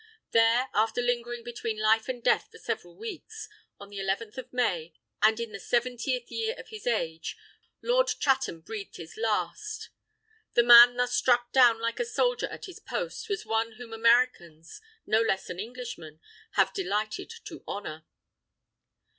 There, after lingering between life and death for several weeks, on the 11th of May, and in the seventieth year of his age, Lord Chatham breathed his last. The man thus struck down like a soldier at his post, was one whom Americans, no less than Englishmen, have delighted to honour.